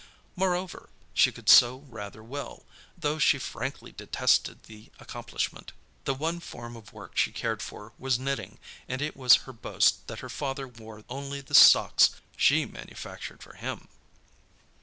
Moreover, she could sew rather well, though she frankly detested the accomplishment. The one form of work she cared for was knitting, and it was her boast that her father wore only the socks she manufactured for him.